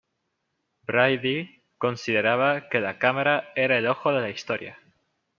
Brady, consideraba que la cámara era el ojo de la historia.